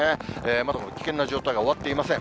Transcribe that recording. まだまだ危険な状態終わっていません。